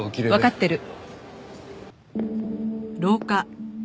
わかってる。